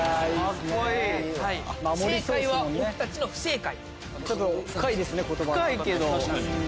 「正解は僕たちの不正解」。